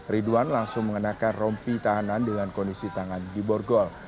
ridwan langsung mengenakan rompi tahanan dengan kondisi tangan di borgol